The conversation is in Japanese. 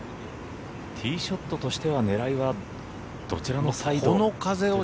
ティーショットとしては狙いはどちらのほうが？